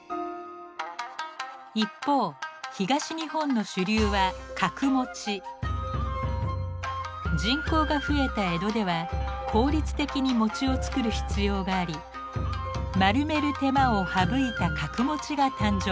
一方東日本の主流は人口が増えた江戸では効率的に餅を作る必要があり丸める手間を省いた角餅が誕生。